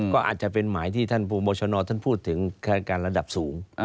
ก็อาจจะเป็นหมายที่ท่านภูมิชนท่านพูดถึงฆาตการระดับสูง